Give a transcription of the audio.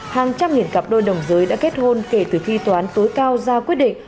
hàng trăm nghìn cặp đôi đồng giới đã kết hôn kể từ khi toán tối cao ra quyết định